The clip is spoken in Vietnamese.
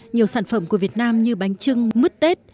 nhiều sản phẩm của việt nam như bánh trưng mứt tết